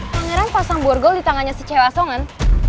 pangeran pasang burgol di tangannya si cewek asongan